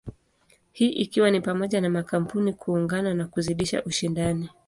Hii ikiwa ni pamoja na makampuni kuungana na kuzidisha ushindani.